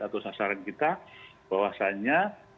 atau sasaran kita bahwasanya